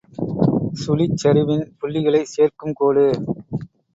சுழிச்சரிவின் புள்ளிகளைச் சேர்க்கும் கோடு.